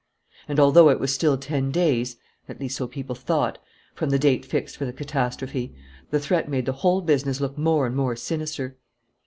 And, although it was still ten days at least, so people thought from the date fixed for the catastrophe, the threat made the whole business look more and more sinister.